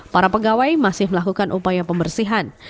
para pegawai masih melakukan upaya pembersihan